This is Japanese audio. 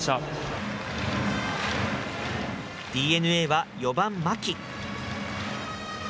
ＤｅＮＡは４番牧。